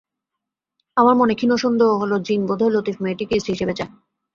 আমার মনে ক্ষীণ সন্দেহ হল-জিন বোধহয় লতিফ মেয়েটিকেই স্ত্রী হিসেবে চায়।